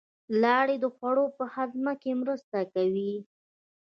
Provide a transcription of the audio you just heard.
لاړې د خوړو په هضم کې مرسته کوي